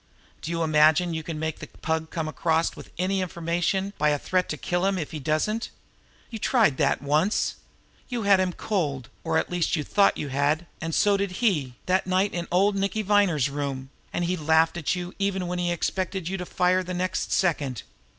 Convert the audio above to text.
Do you imagine you can make the Pug come across with any information by a threat to kill him if he doesn't? You tried that once. You had him cold, or at least you thought you had, and so did he, that night in old Nicky Viner's room, and he laughed at you even when he expected you to fire the next second.